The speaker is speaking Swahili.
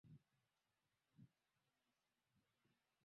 Henry anasema miaka mitatu nyuma alikata shauri